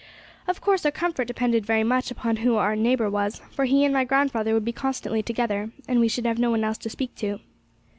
Of course, our comfort depended very much upon who our neighbour was, for he and my grandfather would be constantly together, and we should have no one else to speak to.